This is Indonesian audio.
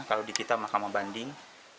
kalau di kita mahkamah banding